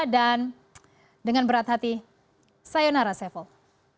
dan dengan berat hati sayonara seville